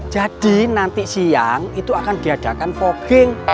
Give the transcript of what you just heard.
jadi nanti siang itu akan diadakan fogging